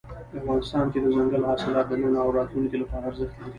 افغانستان کې دځنګل حاصلات د نن او راتلونکي لپاره ارزښت لري.